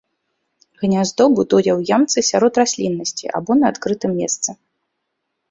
Гняздо будуе ў ямцы сярод расліннасці або на адкрытым месцы.